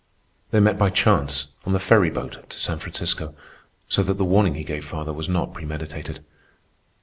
They met by chance on the ferry boat to San Francisco, so that the warning he gave father was not premeditated.